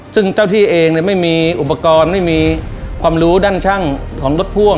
ซึ่งเจ้าที่เองไม่มีอุปกรณ์ไม่มีความรู้ด้านช่างของรถพ่วง